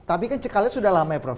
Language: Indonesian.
tapi kan cekalnya sudah lama ya prof